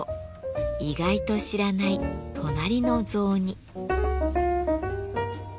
「意外と知らない隣の雑煮」。